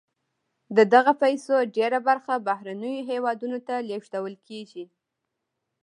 د دغه پیسو ډیره برخه بهرنیو هېوادونو ته لیږدول کیږي.